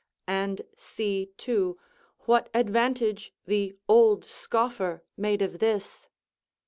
And see, too, what advantage the old scoffer made of this.